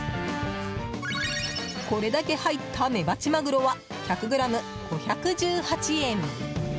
これだけ入ったメバチマグロは１００ｇ５１８円。